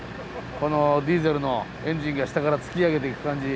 このディーゼルのエンジンが下から突き上げていく感じ。